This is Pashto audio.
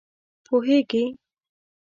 پوهېږې!